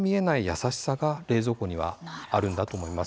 優しさが冷蔵庫にはあるんだと思います。